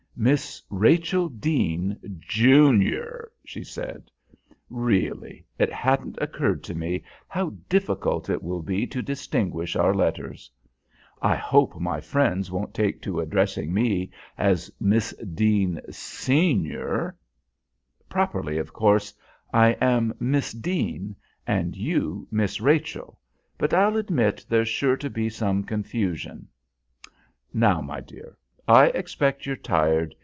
"Miss Rachel Deane, junior," she said. "Really, it hadn't occurred to me how difficult it will be to distinguish our letters. I hope my friends won't take to addressing me as Miss Deane, senior. Properly, of course, I am Miss Deane, and you Miss Rachel, but I'll admit there's sure to be some confusion. Now, my dear, I expect you're tired.